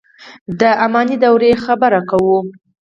د اماني دورې خبره کوو.